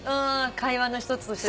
会話の一つとして。